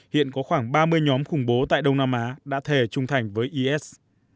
hiện có khoảng ba mươi nhóm khủng bố tại đông nam á đã thề trung thành với is